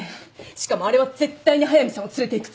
しかもあれは絶対に速見さんを連れていくつもりね。